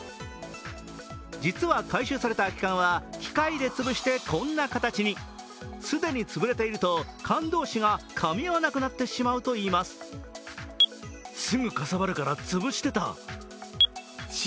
実は、回収された空き缶は機械で潰してこんな形に。既に潰れていると缶同士がかみ合わなくなってしまうといいます。